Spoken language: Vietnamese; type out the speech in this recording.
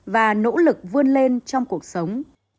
và nỗ lực vươn lên trong cuộc sống